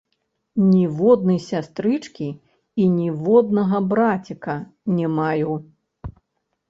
Ніводнай сястрычкі і ніводнага браціка не маю.